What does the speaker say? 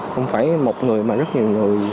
không phải một người mà rất nhiều người